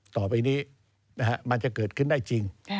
ต่อไปนี้มันจะเกิดขึ้นได้จริง